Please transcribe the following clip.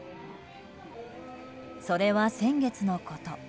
それは先月のこと。